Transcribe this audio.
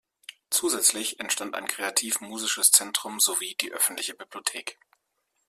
Zusätzlich entstand ein kreativ-musisches Zentrum sowie die öffentliche Bibliothek.